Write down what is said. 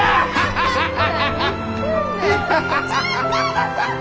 ハハハハ！